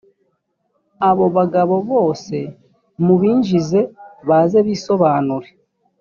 abo bagabo bose mubinjize baze bisobanure